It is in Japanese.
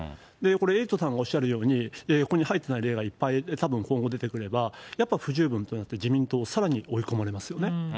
これエイトさんがおっしゃるように、ここに入ってない例がたぶん今後出てくれば、やっぱ不十分となって、自民党、さらに追い込まれますよね。